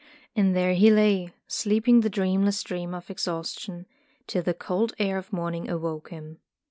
And there he lay, sleeping the dreamless sleep of exhaustion, till the cold air of morning awoke him.